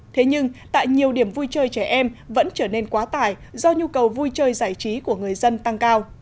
thế nhưng tại nhiều điểm vui chơi trẻ em vẫn trở nên quá tải do nhu cầu vui chơi giải trí của người dân tăng cao